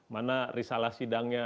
mana risalah sidangnya